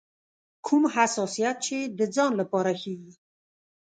کوم حساسیت چې د ځان لپاره ښيي.